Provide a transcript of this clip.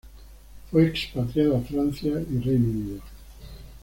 Fue expatriado a Francia y Reino Unido.